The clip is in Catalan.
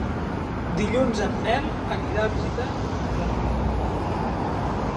Dilluns en Nel anirà a visitar mon oncle.